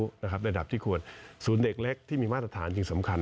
สูงให้เด็กเล็กที่มีมาตรฐานสำคัญ